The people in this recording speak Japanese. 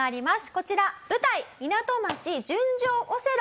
こちら舞台『ミナト町純情オセロ』。